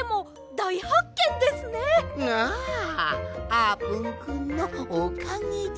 あーぷんくんのおかげじゃ。